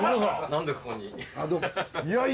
何でここに？